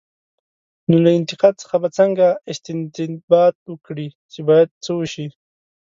نو له انتقاد څخه به څنګه استنباط وکړي، چې باید څه وشي؟